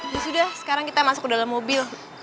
ya sudah sekarang kita masuk ke dalam mobil